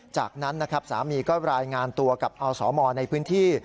จากนั้นนะครับสามีก็รายงานตัวกับอสมในพื้นที่